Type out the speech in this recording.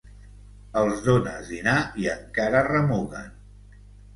Els dónes dinar i encara remuguen.